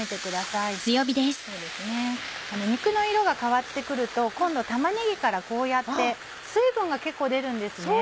肉の色が変わって来ると今度玉ねぎからこうやって水分が結構出るんですね。